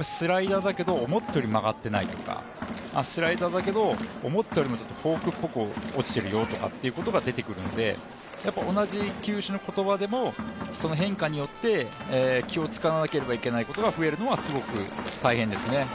スライダーだけど思ったより曲がってないとかスライダーだけど思ったよりフォークっぽく落ちてるよということがあるので同じ球種でも、その変化によって気を遣わなければいけないことが増えるのはすごく大変ですね。